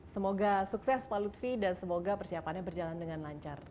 semoga sukses pak lutfi dan semoga persiapannya berjalan dengan lancar